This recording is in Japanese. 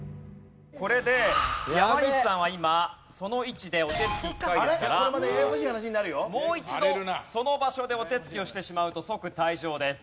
これで山西さんは今その位置でお手つき１回ですからもう一度その場所でお手つきをしてしまうと即退場です。